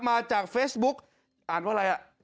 มาจากเฟซบุ๊กอ่านว่าอะไรอ่ะ